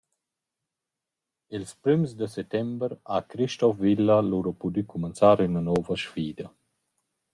Ils prüms da settember ha Christoph Willa lura pudü cumanzar üna nouva sfida.